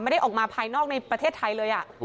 ไม่ได้ออกมาภายนอกในประเทศไทยเลย